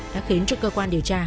đã khiến cho cơ quan điều tra